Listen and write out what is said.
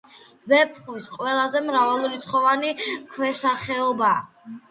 ვეფხვის ყველაზე მრავალრიცხოვანი ქვესახეობაა.